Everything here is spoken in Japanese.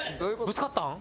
ぶつかったん？